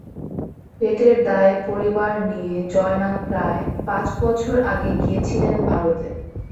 পেটের দায়ে পরিবার নিয়ে জয়নাল প্রায় পাঁচ বছর আগে গিয়েছিলেন ভারতে।